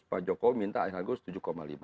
pak joko minta di agustus tujuh lima